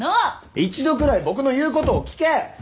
一度くらい僕の言うことを聞け！